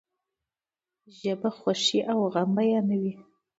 ژبه خوښی او غم بیانوي.